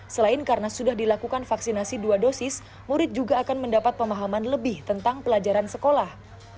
selain karena sudah dilakukan vaksinasi dua dosis murid juga akan mendapat pemahaman lebih tentang pelajaran sekolah